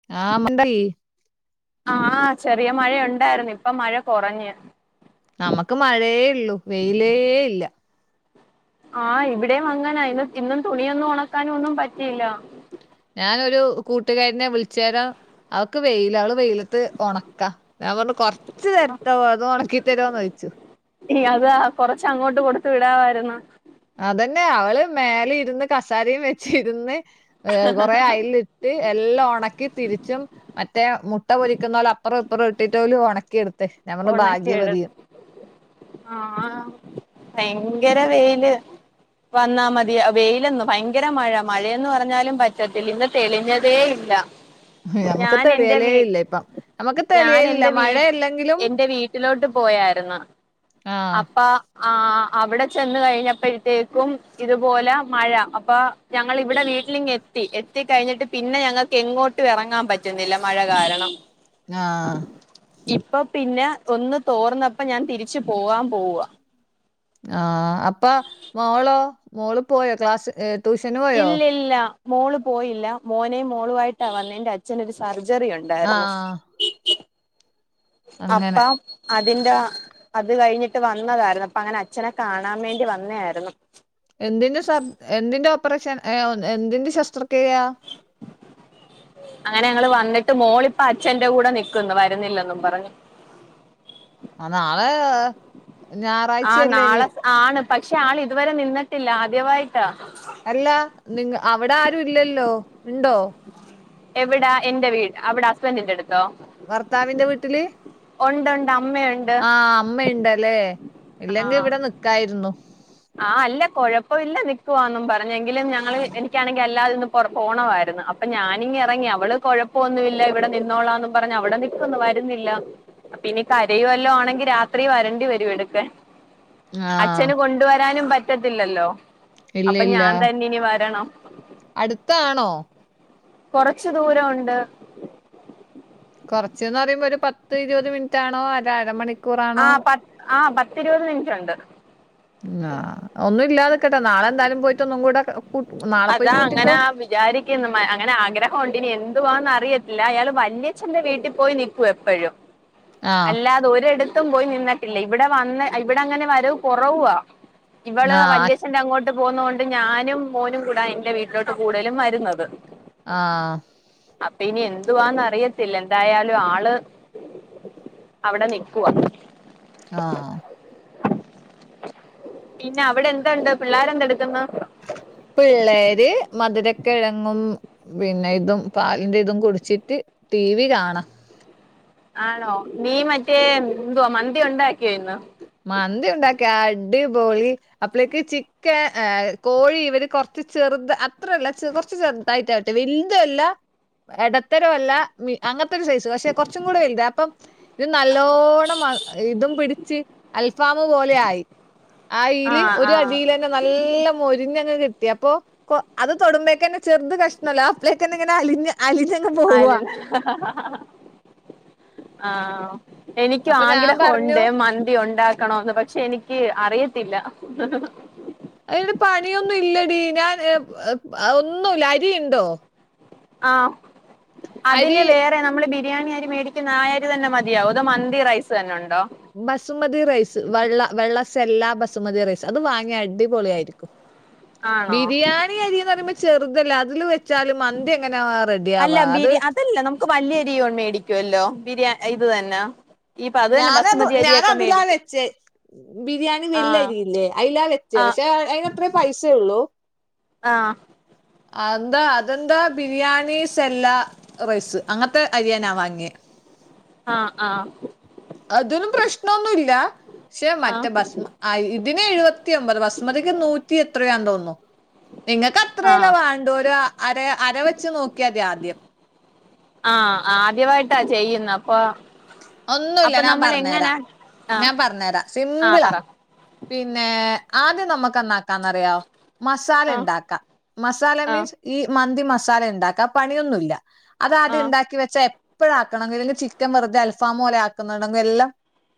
[unintelligible] ആ ചെറിയ മഴ ഉണ്ടായിരുന്ന് ഇപ്പം മഴ കൊറഞ്ഞ്. നമുക്ക് മഴെയുള്ളു വെയിലേ ഇല്ല. ആഹ് ഇവിടീം അങ്ങനാ ഇന്ന് ഇന്നും തുണിയൊന്നും ഒണക്കാനൊന്നും പറ്റിയില്ല. ഞാനൊരു കൂട്ടുകാരിനെ വിളിച്ചേരം അവക്ക് വെയില അവള് വെയില ത്ത് ഒണക്കാ ഞാൻ പറഞ്ഞു കൊറച്ച് തരട്ട അതോണക്കിതരോന്നയിച്ച് ഇയതാ കൊറച്ച അങ്ങോട്ട് കൊടുത്ത് വിടാവായിരുന്നു. അതന്നെ അവള് മേലെര്ന്ന് കസാലീം വെച്ചിര്ന്ന് അ് കൊറെ അയില് എല്ലാം ഒണക്കി തിരിച്ചും മറ്റേ മുട്ട പൊരിക്കുന്നോലെ അപ്പുറം [unintelligible] ഇപ്പുറം ഇട്ടിട്ടോല് ഒണക്കിയെടുത്ത് ഉണക്കിയെടുത്ത് ആഹ് ഭയങ്കര വെയില്. വന്നാമതി അ വെയിലന്നോ ഭയ ഭയങ്കര മഴ മഴയെന്ന് പറഞ്ഞാലും പറ്റത്തില്ല ഇന്ന് തെളിഞ്ഞതേ ഇല്ല. ഹ് ഞമ്മക്ക് ഞാൻ എന്റെ തെളിയലേ വീ ഇല്ല ഇപ്പം നമക്ക് ഞാൻ തെളിയലില്ല എന്റെ വീ മഴ ഇല്ലെങ്കില് എന്റെ വീട്ടിലോട്ട് പോയായിരുന്നു ആ അപ്പ ആ. അവിടെ ചെന്ന് കഴിഞ്ഞപ്പഴത്തേക്കും ഇതുപോലെ മഴ. അപ്പൊ ഞങ്ങളിവിടെ വീട്ടിലിങ്ങെ ത്തി എത്തിക്കഴിഞ്ഞിട്ട് പിന്നെ ഞങ്ങക്ക് എങ്ങോട്ടു എറങ്ങാപറ്റത്തില്ല മഴ കാരണം. ആഹ് ഇപ്പൊ പിന്നെ ഒന്ന് തോർന്നപ്പോ ഞാൻ തിരിച്ച് പോവാൻ പോവാ ആഹ് അപ്പ മോളോ മോള് പോയോ ക്ലാസ് ട്യൂഷന് പോയോ? ഇല്ല മോള് പോയില്ല മോനേം മോളുവായിട്ടാ വന്നെ എന്റെ അച്ഛനൊരു സർജറി ഉണ്ടായിരുന്നു. ആഹ് അങ്ങനെ അപ്പം അതിന്റെ അത് കഴിഞ്ഞിട്ട് വന്നതായിരുന്നു അപ്പ അങ്ങനെ അച്ഛനെ കാണാൻ വേണ്ടി വന്നായിരുന്നു. എന്തിന്റെ സർ എന്തിന്റെ ഓപ്പറേഷൻ എ എന്തിന്റെ ശസ്ത്രക്രിയയാ? അങ്ങനെ ഞങ്ങള് വന്നിട്ട് മോളിപ്പ അച്ഛന്റെ കൂടെ നിക്കുന്നു വരുന്നില്ലെന്നും പറഞ്ഞ്. ആഹ് നാളെ ഞായറ ആഹ് നാളെ ആണ് പക്ഷെ ആളിതുവരെ നിന്നിട്ടില്ല ആദ്യവായിട്ടാ അല്ല നിങ്ങ അവിടാരുല്ലല്ലോ ഇണ്ടോ? എവിടാ എന്റെ വീട് അവിടെ ഹസ്ബൻറിന്റെടുത്തോ? ഭർത്താവിന്റെ വീട്ടില്? ഒണ്ട് ഒണ്ട് അമ്മയുണ്ട് ആഹ് അമ്മയുണ്ടല്ലേ ഇല്ലെങ്കി ഇവിടെ നിക്കായിരുന്നു. ആഹ് അല്ല കൊഴപ്പം ഇല്ല നിക്കുവാന്നും പറഞ്ഞെങ്കിലും ഞങ്ങള് എനിക്കാണെങ്കിൽ അല്ലാത്തിപ്പം കൊറേ പോണമായിരുന്നു അപ്പൊ ഞാനിങ്ങനെ ഇറങ്ങി അവള് കുഴപ്പൊന്നും ഇല്ല ഇവിടെ നിന്നോളാന്നും പറഞ്ഞ് അവിടെ നി ന്നും വരുന്നില്ല പ്പ ഇനി കരയോം വല്ലോ ആണെങ്കി രാത്രി വരേണ്ടി വരും എടുക്കാൻ ആഹ് അച്ഛന് കൊണ്ടുവരാനും പറ്റത്തില്ലല്ലോ. ഇല്ല അപ്പം ഇല്ല ഞാൻ തന്നിനി വരണം. അടുത്താണോ കൊറച്ചു ദൂരൊണ്ട്. കുറച്ചന്ന്റയുമ്പോ ഒരു പത്ത് ഇരുപത് മിനിറ്റാണോ അതാ അരമണി ആഹ് പ ആഹ് പത്തിരുപത് മിനിറ്റ് ഉണ്ട് ആഹ് ഒന്നുല്ലാതെക്കട്ടെ നാളെന്തായാലും പോയിട്ടൊന്നുംകൂടെ ക്കെ കൂ നാളെ പോയി കൂട്ടിക്കോ? വിചാരിക്കുന്നുമെ അങ്ങനെ ആഗ്രഹൊണ്ടിനി എന്തുവാന്നറിയത്തില്ല അയാള് വല്യച്ഛന്റെ വീട്ടിപോയി നി ക്കും എപ്പഴും ആ അല്ലാതൊരിടത്തും പോയിനിന്നിട്ടില്ല ഇവിടെ വന്ന് ഇവിടങ്ങനെ വരവ് കുറവുവാ. ഇവള് ആ വല്യച്ഛന്റങ്ങോട്ട് പോന്നോണ്ട് ഞാനും മോനും കൂടാ എൻറെ വീട്ടി ലോട്ട് കൂടുതലും വരുന്നത്. ആ അപ്പനി എന്തുവാന്ന്റിയത്തില്ല എന്തായാലും ആള് അവിടെ നിക്കുവാ ആഹ് പിന്നവിടെന്തുണ്ട് പിള്ളേരെന്തടുക്കുന്നു. പിള്ളേര് മധുരക്കിഴങ്ങും, പിന്നെ ഇതും പാലിന്റെതും കുടിച്ചിട്ട് ടി വി കാണ ആണോ നീ മറ്റേ എന്തുവാ മന്തി ഒണ്ടാക്കിയോ ഇന്ന് മന്തി ഉണ്ടാക്കി അടിപൊളി അപ്പളേക്ക് ചിക്കൻ ഏ കോഴി ഇവര് കൊറച്ച് ചെറുത് അത്രല്ലചെറു കൊറച്ച് ചെറു തായിട്ടവെട [inaudible] വലുതല്ല ഇടതെരോവല്ല മി അങ്ങത്തൊരു സൈസ് പക്ഷെകൊറച്ചും കൂടെ വലുത് അപ്പം ഇത് നല്ലോണ്ണം ആഹ് ഇതുംപിടിച്ച് അൽഫാമ്മ് പോലെയായി ആയില് ആഹ് ഒരു ആഹ് അടീല് നല്ല മൊരിഞ്ഞങ്ങ് കിട്ടിയപ്പൊ കൊ അത് തൊടുമ്പോക്കെന്നെ ചെറുത് കഷ്ണല്ല അപ്ലെ കന്നെങ്ങനെ അലിഞ്ഞ് അലിഞ്ഞങ്ങുപോ അലിന്ന ആഹ് എനിക്കും അപ്പൊ ഞാൻ ആഗ്രഹം പറഞ്ഞു ഒണ്ടേ മന്തി ഒണ്ടാക്കണോന്ന് പ ശരിക്ക് അറിയത്തില്ല. അയിനൊരു പണിയൊന്നുല്ലടീ ഞാൻ [unintelligible] അഹ് ഒന്നൂല്ല. അരി ഇണ്ടോ? ആഹ് അരി അതിന് വേറെ നമ്മള് ബി ബിരിയാണി അരി മേടിക്കുന്ന ആ അരി തന്നെ മതിയാവൊ. അതോ മന്തി റൈസ് തന്നെ ഉണ്ടോ? ബസുമതി റൈസ് വെള്ള വെള്ളസെല്ല ബസുമതി റൈസ്. അത് വാങ്ങിയ അടിപൊളിയായിരിക്കും. ആണോ ബിരിയാണി അരിന്ന് പറയുമ്പോ ചെറുതല്ല അതില് വ വെച്ചാല് മന്തി എങ്ങനാ ആഹ് റെഡി ആവാ അത് ക്ക് വല്യയരിയോൺ മേടിക്കുവല്ലോ ബിരിയാ ഇത് തന്നെ. ഇപ്പൊ അത് തന്നെ ഞാനതു ബസുമതി അരിയൊക്കെ ഞാനതിലാ മേടിക്കും വെച്ചേ. ബിരിയാണി ആഹ് വെല്ലരിയില്ലേ. അയിലാ വെച്ചേ ആഹ് പക്ഷെ അയിനത്രേ പൈസേള്ളൂ. ആഹ് അഹ് എന്താ അതെന്താ ബിരിയാണി സെല്ല റൈസ് അങ്ങത്തെ അരിയാ ഞാൻ വാങ്ങിയേ ആഹ് ആഹ് അതിനും പ്രശ്നൊന്നുല്ല. പക്ഷെ മറ്റേ ആഹ് ഭസ്മ ആഹ് ഇതിന് എഴുപത്തി ഒമ്പത്. ബസ്മതിക്ക് നൂറ്റി എത്രയാന്ന് തോന്നുന്നു നിങ്ങൾക്ക് അത്രല്ലേ ആഹ് വാണ്ടു ഒരു അര അര വെച്ച് നോക്കിയാതി ആദ്യം. ആഹ് ആദ്യവായിട്ടാ ചെയ്യുന്നെ അപ്പൊ ഒന്നൂല്ല അപ്പൊ ഞാൻ നമ്മൾ പറഞ്ഞരാ. എങ്ങനാ ആഹ് ഞാൻ പറഞ്ഞരാ. ആഹ് സിമ്പിളാ പറ പിന്നേ ആദ്യം നമക്ക് എന്നാക്കാന്നറിയോ? മസാല ആഹ് ഇണ്ടാക്ക. മസാല ആഹ് മീൻസ് ഈ മന്തി മസാല ഇണ്ടാക്കാ പണിയൊന്നുല്ല. അതാദ്യ ആഹ് ഇണ്ടാക്കി വെച്ച എ ഇപ്പോഴാക്കണെങ്കില്ലെങ്കിൽ ചിക്കൻ വെറുതെ അൽഫാ മോലെ ആക്കുന്നുണ്ടെങ്കിലെല്ലാം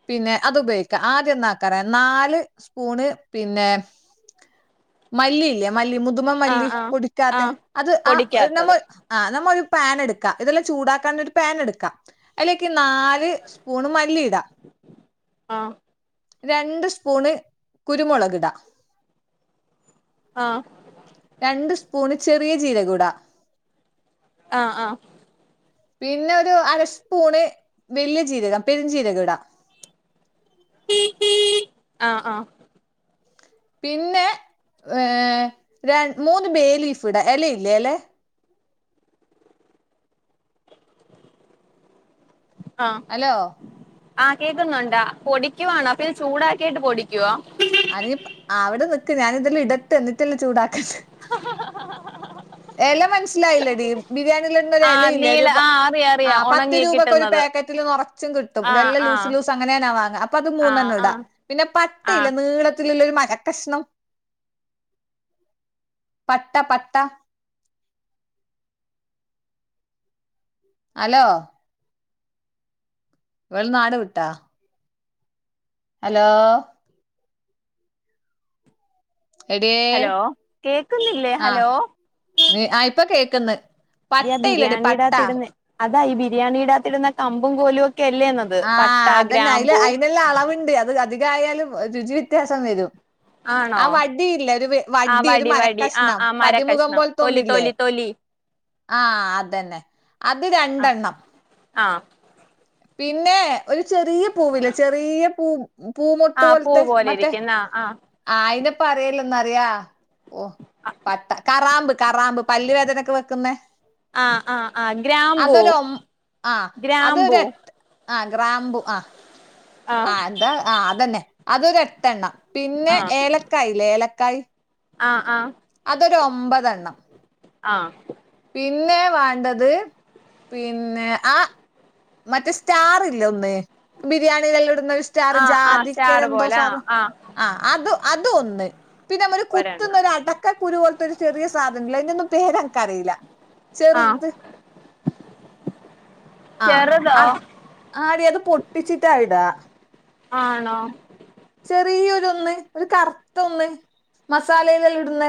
പിന്നെ അത് ഉപയോഗിക്ക ആദ്യന്താക്കറ നാല് സ്പൂണ് പിന്നെ [inaudible] മല്ലിയില്ലേ മല്ലി മുതുമ ആഹ് മല്ലി ആഹ് പൊടിക്കാത്ത ആഹ് അത് ആഹ് നമ്മ പൊടിക്കാത്തത് ആ നമ്മ ഒരു പാൻ എടുക്ക. ഇതെല്ലാം ചൂടാക്കാൻ ഒരു പാൻ എടുക്ക. അല്ലേക്ക് നാ ല് സ്പൂൺ മല്ലി ഇട. ആഹ് രണ്ട് സ്പൂണ് കുരുമുളക് ഇട. ആഹ് രണ്ട് സ്പൂണ് ചെറിയ ജീരകുട. ആഹ് ആഹ് പിന്നെ ഒരു അരസ്പൂണ് വലിയ ജീരകം പെരുഞ്ജീരകം ഇടാ. ആഹ് ആഹ് പിന്നെ ഏഹ് രൺ മൂന്ന് ബേ ലീഫ് ഇട എല ഇല്ലേല്ലെ ആഹ് ഹലോ ആഹ് കേക്കുന്നുണ്ടാ? പൊടിക്കുവാണോ? അപ്പൊ ഇത് ചൂടാക്കിയിട്ട് പൊടിക്കുവോ? അനി അവിടെ നിക്ക് ഞാൻ ഇതില് ഇടട്ടെ. എന്നിട്ടല്ലേ ചൂടാക്കണ്ടേ എല മനസ്സിലായില്ല ടീ ബിരിയാണിയില് ഇടുന്നൊരു ആഹ് എലയില്ലെ. നീള ഒരു പ ആഹ് അറിയാം അറിയാം ആഹ് പത്ത് ഉണങ്ങി രൂപക്ക് ഒരു കിട്ടുന്നത് പാക്കറ്റ്. തില് നറച്ചും കിട്ടും. ആഹ് വല്ല ആഹ് ലൂസ് ലൂസ് അങ്ങനാ ഞാ വാങ്ങ. അപ്പൊ അത് ആഹ് മൂന്നണ്ണം ഇടാ. ആഹ് പിന്നെ പട്ടയില്ലെ ആഹ് നീള ത്തില് ഉള്ളൊരു മര കഷ്ണം. പട്ട പട്ട. ഹലോ വൾ നാട് വിട്ടാ? ഹലോ എടിയേ ഹലോ കേക്കുന്നില്ലേ? ഹലോ നി ആഹ് ഇപ്പൊ കേക്ക്ന്ന്. ഇത് ആ പട്ടയില്ലടി ബിരിയാണിടകത്ത് പട്ടാ ഇടുന്നെ അതാ ഈ ബിരിയാണി ഇടാത്തിരുന്ന കമ്പും കോലും ഒക്കെ അല്ലേന്ന്. ആഹ് അതന്നെ അയിൽ അയിന്ള്ള അളവ്ണ്ട്. അത് അധികയാലും രുചി വ്യത്യാസം വരും. ആണോ ആഹ് വടിയില്ലെ ഒരു ആ വടി ഒരു വടി ആ മരക്കഷ്ണം. ആ പതിമുഖം മരക്കഷ്ണം പോലത്തൊന്ന് തൊലി ഇല്ലേ? തൊലി തൊലി ആഹ് അതന്നെ. അത് രണ്ടെണ്ണം. ആഹ് പിന്നെ ഒരു ചെറിയ പൂവില്ലേ ചെറിയ പൂ- പൂ മുട്ട് ആ പൂ പോലത്തെ പോലെ മറ്റേ, ഇരിക്കുന്ന ആ ആ അയിനിപ്പ അറയില്ലന്ന അറിയാ ഓ പട്ട കറാമ്പ്. കറാമ്പ് പല് വേദനൊക്കെ- വെക്കുന്ന. ആഹാ... ആഹാ... ആഹാ... ഗ്രാമ്പൂ ഒം ഗ്രാമ്പൂ. ആഹാ ഗ്രാമ്പു ആഹാ.. ! ആ ആഹാ എന്താ ആഹാ അതന്നെ, അതരു എട്ടെണ്ണം പിന്നെ, ഏലക്കായ്ല്ലേ ഏലക്കായ്. ആഹാ.. അതൊരു ആഹാ... ഒമ്പതെണ്ണം ആഹാ... ! പിന്നെ വേണ്ടത് പിന്നെ ആഹാ, മറ്റേ സ്റ്റാർ ഇല്ലേഒന്ന്, ബിരിയാണിലേല്ലാം ഇടുന്ന. ചർ ആ ആ ചാറ് ജാതിക്കരന്തോ പോലെ ആ സാധനം. ആ ആഹാ അത് അത്‌ ഒന്ന്, പിന്നെ നമ്മ ഒരു ഒരെണ്ണം കുത്തുന്നൊരു അട- ക്കരു പോലത്തെ ഒരു ചെറിയ സാധനല്ലേ, അതിനൊന്നും പേരെനികഅറിയില്ല. ആ ചെറുത് ആഹാ.. ! ചെറുതോ ആദ്യം അത് പൊട്ടിച്ചിട്ടാ ഇടാ. ആണോ? ചെറിയരുഒന്ന് ഒരു കറുത്ത ഒന്ന് മസാല ഇല്ലാം ഇടുന്ന.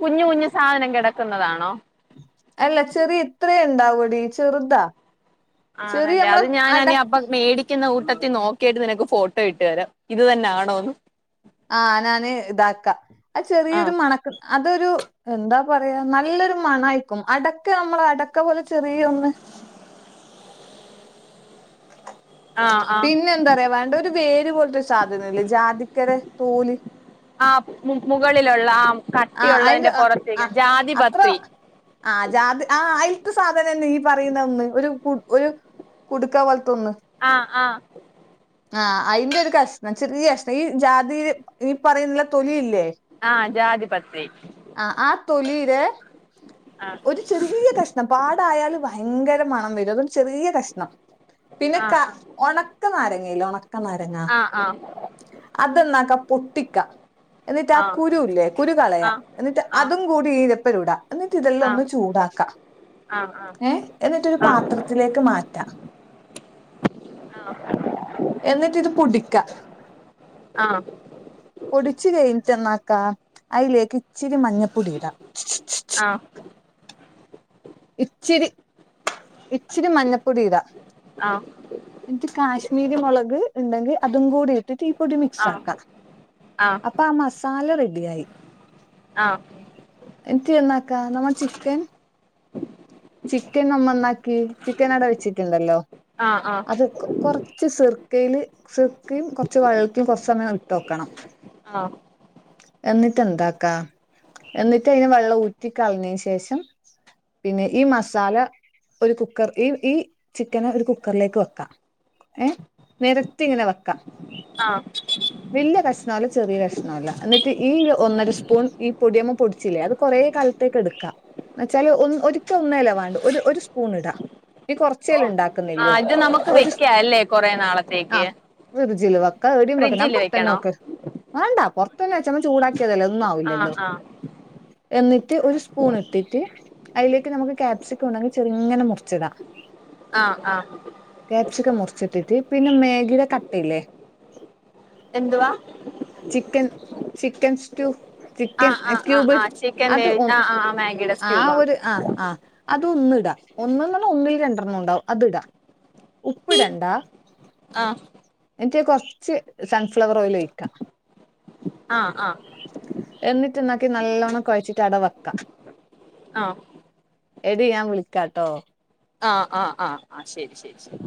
കുഞ്ഞു കുഞ്ഞു സാധനം കിടക്കുന്നതാണോ. അല്ല ചെറിയ ഇത്രഇണ്ടാവോടി ചെറുതാ. ചെറിയ ആണല്ലേ അത് നമ്മളെ അട ഞാനഅപ്പം- മേടിക്കുന്ന ഉരുള കൂട്ടത്തിൽ നോ- കേട്ട് നിനക്ക് ഫോട്ടോ ഇട്ട് തരാം ഇത് തന്നാണോന്നു. ആ ഞാന് ഇതാക്കാം, ആഹാ ചെറിയൊരു ആഹ് മണക്ക അതൊരു. എന്താ പറയാ നല്ലൊരു മണാ- ആയിക്കും അടക്ക നമ്മള അടക്ക പോലെ ചെറിയൊന്ന്. [inaudible] ആഹ് ആഹ് പിന്നെ എന്താ പറയാ വേണ്ട ഒരു വേര് പോലത്തെ സാധനല്ലേ ജാതിക്കര തോല്. ആ മുകളിലുള്ള ആഹാ ആഹ് കട്ടിയുള്ളതിന്റെ അയിന്റെ പുറത്തുള്ള ജാതിപത്രി. ആഹാ ജാതി ആഹാ ആയിൽത്ത സാധനന്ന് നീ പറയുന്ന ഒന്ന് ഒരു കു ഒരു- കുടുക്ക പോലെത്തെതോന്ന്. ആഹാ ആഹാ. ആഹാ അയിന്റെ ഒരു കഷ്ണം, ചെറിയ ഈ കഷ്ണം ഈ ജാതിൽ ഈ പറയുന്നുള്ള തൊലി ഇല്ലേ- ആഹാ ജാധിപത്രി. ആഹാ ആഹാ തൊലിയിലേ ആഹ് ഒരു ചെറിയ കഷ്ണം- പാടായാല് ഭയങ്കര മണം വരും അതും ചെറിയ കഷ്ണം. പിന്നെ ക ആഹ് ഉണക്ക നാരങ്ങല്ല ഉണക്ക നാരങ്ങ. ആഹ് ആഹ് അതെന്നാക്ക പൊട്ടിക്ക എന്നിട്ട് ആഹാ ആഹ് കുരുല്ലേ- കുരു കളയാ എന്നിട്ട് അതും ആഹ് കൂടി- ഈരപ്പരൂടാ എന്നിട്ട് ഇതെല്ലാം ഒന്ന് ആഹ് ചൂടാക്കാം. ആഹ് ആഹ് ആഹാ എന്നിട്ടരു ആഹ് ആഹ് പാത്രത്തിലേക്ക് മാറ്റാം, എന്നിട്ട് ഇത് പൊടിക്ക. ആഹ് പൊടിച്ചു കയിഞ്ഞിറ്റുന്നക്ക അയിലേക്ക്- ഇച്ചിരി മഞ്ഞപ്പൊടി ഇടാ, ആഹാ... ! ഇച്ചിരി ഇച്ചിരി മഞ്ഞപ്പൊടി ഇടാ, ആഹാ.. ! എന്നിട്ട് കാശ്മീരി മുളക് ഉണ്ടെങ്കിൽ അതും കൂടിട്ട്- ഈ പൊടി മിക്സ് ആഹ് ആഹ് ആക്കാം അപ്പോ ആ... മസാല റെഡി ആയി. ആഹാ.... ! എൻട്ട് എന്താക്ക നമ്മ ചിക്കൻ, ചിക്കൻ നമ്മ ഒന്നാക്കി ചിക്കൻ അട വെച്ചിട്ടുണ്ടല്ലോ ആഹ് അത് കൊറച്ച് സിർ- കയില് സിർക്കും, കുറച്ച് വള്ളക്കും കുറ സമയം ഇട്ടോക്കണം. ആഹ് ആഹ് എന്നിട്ട് എന്താക്കാ, എന്നിട്ട് അയിന് വെള്ളം ഊറ്റി കളഞ്ഞതിന് ശേഷം പിന്നെ ഈ മസാല ഒരു കുക്കർ ഈ ഈ ചിക്കന് ഒരു കുക്കറിലേക്ക് വെക്ക ഏഹ് നിരത്തി ഇങ്ങനെ വെക്കാ ആഹ് വല്യ കഷ്ണല്ല ചെറിയ കഷ്ണല്ല എന്നിട്ട് ഈ ഒന്നര സ്പൂൺ ഈ പൊടിയമ് പൊടിച്ചില്ലേ അത് കുറേ ക ത്തേക്ക് എടുക്ക എന്ന് വെച്ചാല് ഒ ഒരിക്ക ഒന്ന് അല്ലെ വാണ്ടു ഒരു ഒരു സ്പൂൺ ഇടാ നീ ഓ കൊറച്ചേല് ആ ഇണ്ടാക്കുന്നില്ലോ ഇത് നമുക്ക് ഒരു വെക്കാ ല്ലേ കൊറെ നാളത്തേക്ക് ഫ്രിഡ്ജിൽ വെക്ക ടിം വെക്കെ ഞാൻ ഫ്രിഡ്ജില് പൊർത്തന്നെ വെക്കണോ വെക്കല് വേണ്ട പൊർത്തന്നെ വെച്ച നമ്മ ചൂടാക്കി [unintelligible] ഒന്നും ആ ആവൂല്ലല്ലോ ആ എന്നിട്ട് ഒരു സ്പൂൺ ഇട്ടിട്ട് അയിലേ നമുക്ക് ക്യാപ്സിക്കം ഉണ്ടെങ്കിൽ ചെറുങ്ങെനെ മുറിചിട ആ ആ കെപ്സിക്കം മുറിച്ചിട്ടിട്ട് പിന്നെ മെഗിയുടെ കട്ടല്ലേ എന്തുവാ ചിക്കൻ ചിക്കൻ സ്റ്റൂ ആ ചിക്കൻ ആ ആ ക്യൂബ് ആ ചിക്കൻ അത് വേവി ഒ ആ ആ ആ മാഗിയുടെ ആ ക്യൂബാ ഒരു ആ ആഹ് അതൊന്ന്ടാ ഒന്ന് പറഞ്ഞ ഒന്നിൽ രണ്ടെണ്ണം ഉണ്ടാവും അത്ടാ ഉപ്പിടണ്ട ആഹ് എന്നിട്ട് കൊർച്ച് സൺഫ്ലവർ ഓയിൽ ഒഴിക്കാ ആഹ് ആഹ് എന്നിട്ട് എന്നാക്കി നല്ലോണം കൊഴച്ചിട്ട് അവട വെക്കാം ആഹ് എടി ഞാൻ വിളിക്കാ ട്ടോ ആഹ് ആഹ് ആഹ് ആഹ് ശരി ശരി ശരി